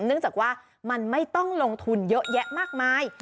เนื่องจากว่ามันไม่ต้องลงทุนเยอะแยะมากมาย